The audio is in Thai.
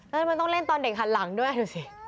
แล้วมันต้องเล่นตอนเด็กหันหลังด้วยดูสิ